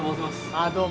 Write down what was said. ああどうも。